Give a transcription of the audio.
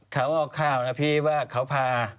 เขาออกข่าวนะพี่ว่าเขาพา